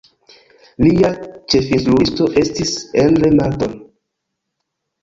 Lia ĉefinstruisto estis Endre Marton.